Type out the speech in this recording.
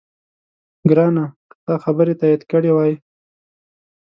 ګرانه! که تا خبرې تایید کړې وای،